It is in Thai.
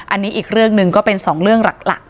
อันนี้อีกเรื่องหนึ่งก็เป็นสองเรื่องหลัก